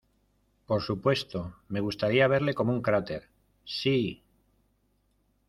Por supuesto, me gustaría verle como un cráter. ¡ sí!